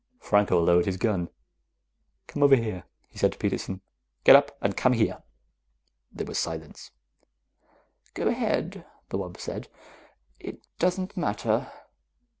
Franco lowered his gun. "Come over here," he said to Peterson. "Get up and come here." There was silence. "Go ahead," the wub said. "It doesn't matter."